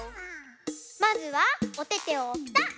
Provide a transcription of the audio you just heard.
まずはおててをぴたっ！